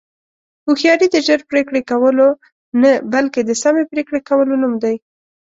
هوښیاري د ژر پرېکړې کولو نه، بلکې د سمې پرېکړې کولو نوم دی.